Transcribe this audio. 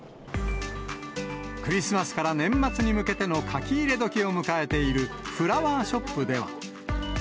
クリスマスから年末に向けての書き入れ時を迎えているフラワーショップでは。